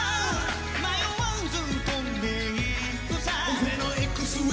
「迷わず飛んでいくさ」